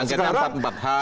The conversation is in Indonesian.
angketnya empat empat hal